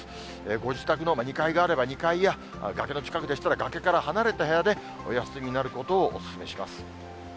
ご自宅の２階があれば２階や崖の近くでしたら、崖から離れた部屋でお休みになることをお勧めします。